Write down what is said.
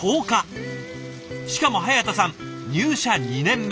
しかも早田さん入社２年目。